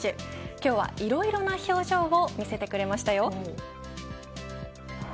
今日はいろいろな表情を見せてくれましたよ。